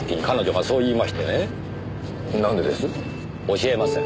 教えません。